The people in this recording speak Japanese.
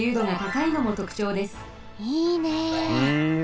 いいね。